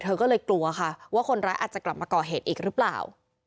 เธอก็เลยกลัวค่ะว่าคนร้ายอาจจะกลับมาก่อเหตุอีกหรือเปล่า